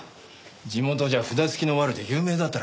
地元じゃ札付きのワルで有名だったらしい。